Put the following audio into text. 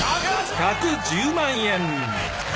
１１０万円！